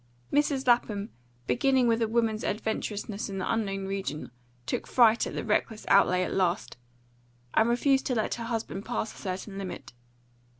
Mrs. Lapham, beginning with a woman's adventurousness in the unknown region, took fright at the reckless outlay at last, and refused to let her husband pass a certain limit.